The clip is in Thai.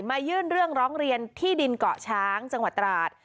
ยื่นเรื่องร้องเรียนที่ดินเกาะช้างจังหวัดตราด